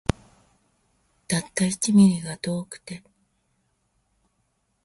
たった一ミリが遠くて